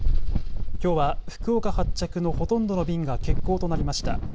きょうは福岡発着のほとんどの便が欠航となりました。